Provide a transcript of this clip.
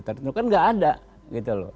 tertentu kan tidak ada